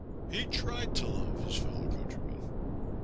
He tried to love his fellow countrymen.